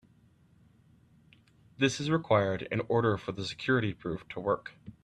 This is required in order for the security proof to work.